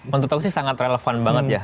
menurut aku sih sangat relevan banget ya